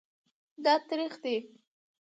دا تریخ دی